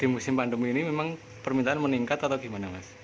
di musim pandemi ini memang permintaan meningkat atau gimana mas